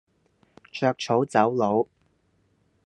著草走佬